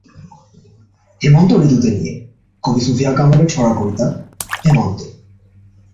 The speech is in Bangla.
হেমন্ত ঋতুতে নিয়ে কবি সুফিয়া কামালের ছড়া-কবিতা "হেমন্ত"।